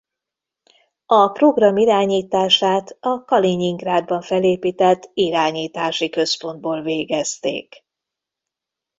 A program irányítását a Kalinyingrádban felépített irányítási központból végezték.